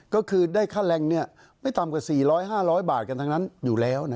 ก็คือได้ค่าแรงไม่ต่ำกว่า๔๐๐๕๐๐บาทกันทั้งนั้นอยู่แล้ว